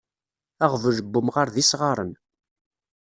Aɣbel n umɣaṛ d isɣaṛen.